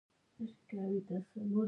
بېنډۍ د غذا یو سپک او آسانه ډول دی